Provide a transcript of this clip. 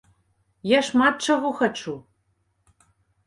Я шмат чаго хачу!